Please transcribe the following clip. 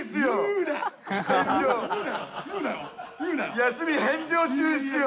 休み返上中っすよ。